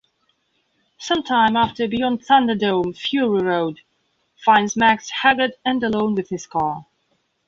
Sometime after "Beyond Thunderdome", "Fury Road" finds Max haggard and alone with his car.